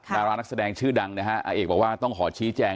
ดารานักแสดงชื่อดังนะฮะอาเอกบอกว่าต้องขอชี้แจง